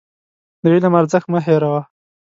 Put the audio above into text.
د علم ارزښت مه هېروه.